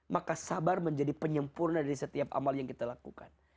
maka sabar menjadi penyempurna dari setiap amal yang kita lakukan